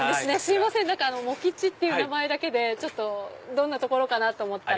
モキチって名前だけでどんな所かなと思ったら。